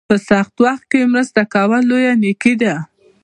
په سخت وخت کې مرسته کول لویه نیکي ده.